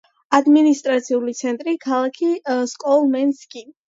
ადმინისტრაციული ცენტრი ქალაქი სმოლენსკი.